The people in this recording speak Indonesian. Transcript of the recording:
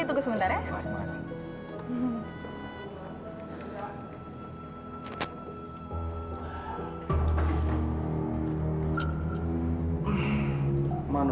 kebetulan setelah kuliah saya lalu seni kapan